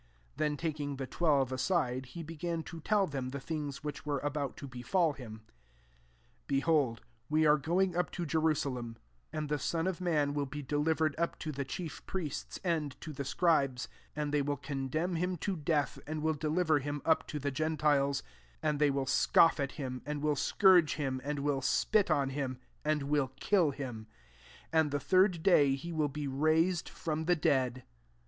Then taking the twelve aside, he began to tell them the things which were about to befolhhn: 33 " Behold, we are going up to Jerusalem ; and the Son of man will be delivered up to the chief ptiests, and to [the] scribes ; and they will condemn him to death, and will deliver him up to the gentiles : 34 and they will scoff at him, and will scourge him, and will spit on him, and will kill him : and the third day he will be raised /ro/n the dcad.